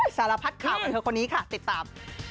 สารพัดข่าวของเธอคนนี้ค่ะติดตาม